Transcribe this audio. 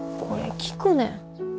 これ聴くねん。